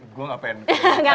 gue gak pengen